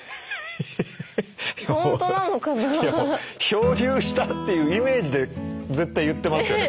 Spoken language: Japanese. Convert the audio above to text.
漂流したっていうイメージで絶対言ってますよね